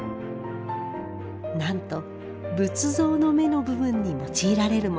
なんと仏像の目の部分に用いられるもの。